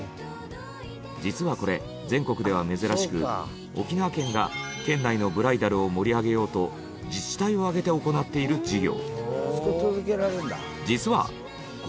実はこれ全国では珍しく沖縄県が県内のブライダルを盛り上げようと自治体を挙げて行っている事業。